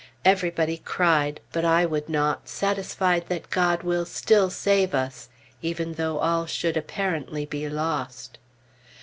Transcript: Everybody cried, but I would not, satisfied that God will still save us, even though all should apparently be lost.